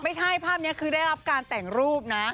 ภาพนี้คือได้รับการแต่งรูปนะ